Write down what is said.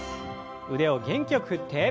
腕を元気よく振って。